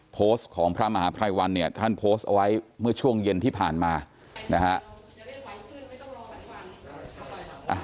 โพสต์ของพระมหาภัยวันเนี่ยท่านโพสต์เอาไว้เมื่อช่วงเย็นที่ผ่านมานะฮะ